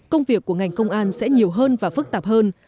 công việc của ngành công an sẽ nhiều hơn và phức tạp hơn